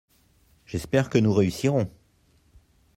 J'espère que nous réussirons !